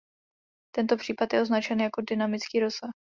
Tento případ je označen jako dynamický rozsah.